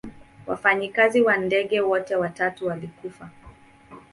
Wafanyikazi wa ndege wote watatu walikufa.